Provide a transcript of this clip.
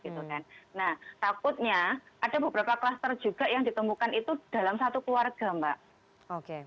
nah takutnya ada beberapa kluster juga yang ditemukan itu dalam satu keluarga mbak